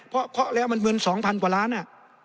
เพราะเคาะแล้วมันเงิน๒๐๐กว่าล้านอ่ะ